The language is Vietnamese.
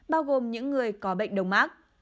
bao gồm những người có bệnh đông mắc